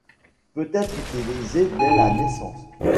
Peut être utilisée dès la naissance.